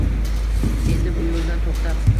Endi bu yo‘ldan to‘xtab